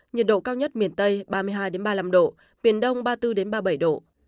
nhiệt độ cao nhất miền tây ba mươi hai ba mươi năm độ miền đông ba mươi bốn ba mươi bảy độ